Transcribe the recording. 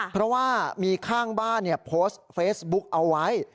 เพราะว่ามีข้างบ้านโพสต์เฟซบุ๊กเอาไว้